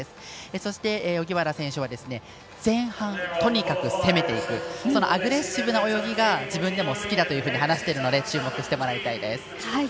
そして荻原選手は前半、とにかく攻めていくアグレッシブな泳ぎが自分でも好きだというふうに話しているので注目してもらいたいです。